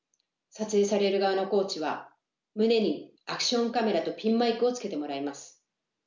撮影される側のコーチは胸にアクションカメラとピンマイクをつけてもらいます。